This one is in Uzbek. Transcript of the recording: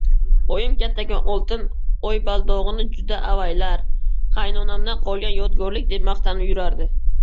Oyim kattakon oltin oybaldog‘ini juda avaylar, qaynonamdan qolgan yodgorlik, deb maqtanib yurardi.